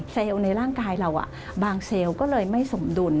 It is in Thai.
ในร่างกายเราบางเซลล์ก็เลยไม่สมดุล